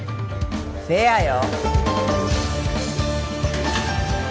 フェアよ。